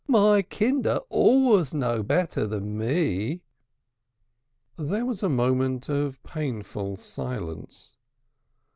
"My kinder always know better than me." There was a moment of painful silence.